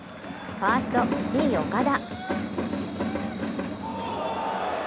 ファースト・Ｔ−岡田。